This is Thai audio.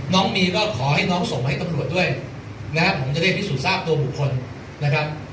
น้องมีก็ขอให้น้องส่งให้ตำรวจด้วยนะผมจะได้พิสูจนทราบตัวบุคคลนะครับ